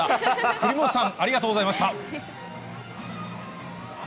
栗本さん、ありがとうございました。